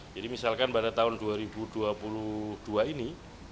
jadi misalkan pada tahun dua ribu dua puluh dua ini